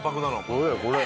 これよこれ！